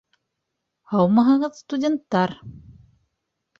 Һаумыһығыҙ, студенттар!